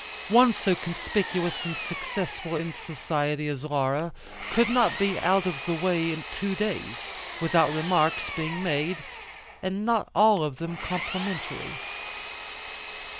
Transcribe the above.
One so conspicuous and successful in society as Laura could not be out of the way two days, without remarks being made, and not all of them complimentary.